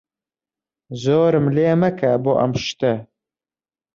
زۆرم لێ مەکە بۆ ئەم شتە.